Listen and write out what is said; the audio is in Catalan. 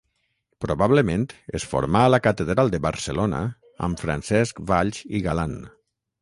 Probablement es formà a la catedral de Barcelona amb Francesc Valls i Galan.